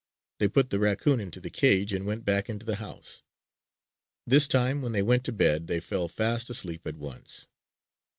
They put the raccoon into the cage, and went back into the house. This time, when they went to bed, they fell fast asleep at once.